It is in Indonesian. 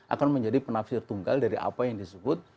akan menjadi penafsir tunggal dari apa yang disebut